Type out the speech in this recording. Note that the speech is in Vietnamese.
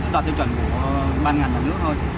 đoạt tiêu chuẩn của ban ngành là nước thôi